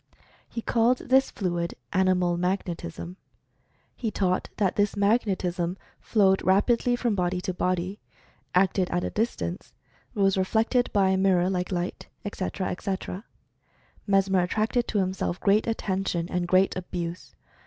He called this fluid "animal mag netism." He taught that this "magnetism" flowed rapidly from body to body ; acted at a distance ; was reflected by a mirror, like light, etc., etc. Mesmer at tracted to himself great attention and great abuse.